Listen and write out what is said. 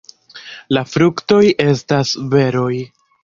La fruktoj estas beroj.